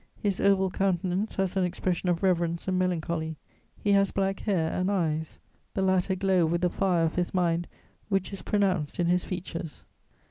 His oval countenance has an expression of reverence and melancholy. He has black hair and eyes: the latter glow with the fire of his mind, which is pronounced in his features."